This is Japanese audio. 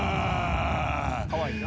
かわいいな。